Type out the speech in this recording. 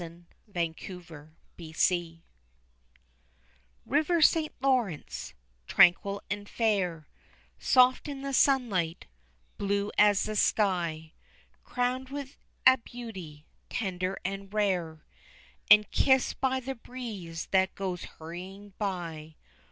O Radiant Stream River St. Lawrence, tranquil and fair, Soft in the sunlight, blue as the sky, Crowned with a beauty, tender and rare, And kissed by the breeze that goes hurrying by.